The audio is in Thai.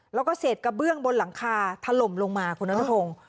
แล้วก็เศษกระเบื้องบนหลังคาถล่มลงมาคุณนัทพงศ์